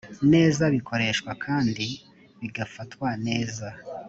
neza bikoreshwa kandi bigafatwa neza